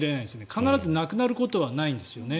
必ずなくなることはないんですよね。